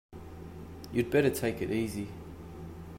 You'd better take it easy.